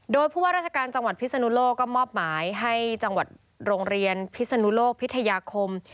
โดยผู้ว่าราชการจังหวัดพิศนุโลกก็มอบหมายให้จังหวัดโรงเรียนพิศนุโลกพิทยาคม